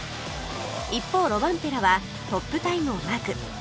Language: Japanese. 一方ロバンペラはトップタイムをマーク